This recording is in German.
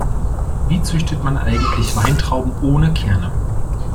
Wie züchtet man eigentlich Weintrauben ohne Kerne?